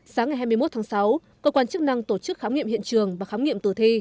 sáng ngày hai mươi một tháng sáu cơ quan chức năng tổ chức khám nghiệm hiện trường và khám nghiệm tử thi